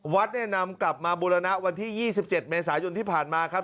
วัดเนี่ยนำกลับมาบูรณะวันที่๒๗เมษายนที่ผ่านมาครับ